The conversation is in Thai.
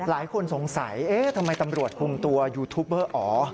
หลายคนสงสัยเอ๊ะทำไมตำรวจคุมตัวยูทูปเบอร์อ๋อ